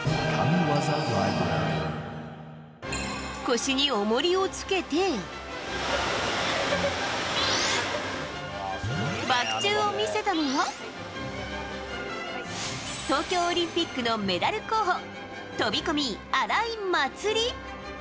腰に重りをつけてバク宙を見せたのは東京オリンピックのメダル候補飛込、荒井祭里。